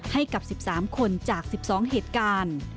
ให้กับ๑๓คนจาก๑๒เหตุการณ์